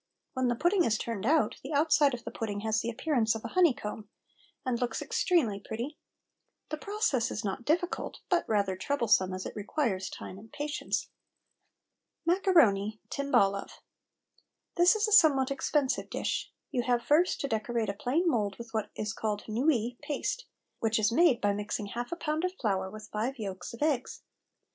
When the pudding is turned out the outside of the pudding has the appearance of a honey comb, and looks extremely pretty. The process is not difficult, but rather troublesome, as it requires time and patience. MACARONI, TIMBALE OF This is a somewhat expensive dish. You have first to decorate a plain mould with what is called nouilles paste, which is made by mixing half a pound of flour with five yolks of eggs.